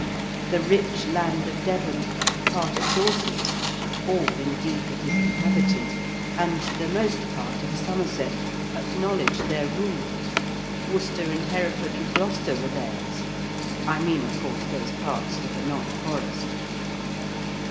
The rich land of Devon, part of Dorset (all, indeed, that is inhabited), and the most part of Somerset, acknowledged their rule. Worcester and Hereford and Gloucester were theirs; I mean, of course, those parts that are not forest.